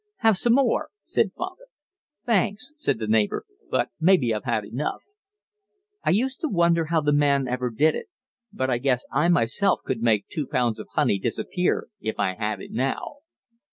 'Have some more,' said father. 'Thanks,' said the neighbour, 'but maybe I've had enough.' I used to wonder how the man ever did it, but I guess I myself could make two pounds of honey disappear if I had it now."